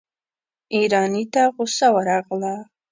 ايراني ته غصه ورغله.